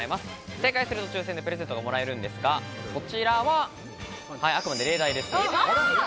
正解すると抽選でプレゼントがもらえるんですが、こちらはあくまで例題です。